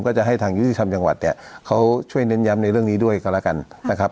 ก็จะให้ทางยุทธิธรรมจังหวัดเนี่ยเขาช่วยเน้นย้ำในเรื่องนี้ด้วยกันแล้วกันนะครับ